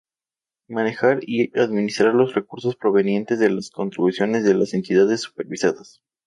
Manejar y administrar los recursos provenientes de las contribuciones de las entidades supervisadas.